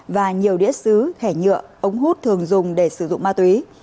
và nhiều đĩa xứ hẻ nhựa ống hút thường dùng để sử dụng ma túy